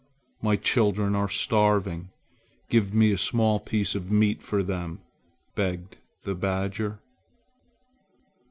My children are starving. Give me a small piece of meat for them," begged the badger.